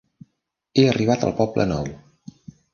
He arribat al poble nou.